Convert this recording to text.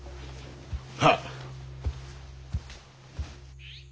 はっ！